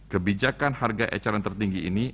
kebijakan harga eceran tertinggi ini